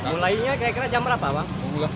mulainya kira kira jam berapa bang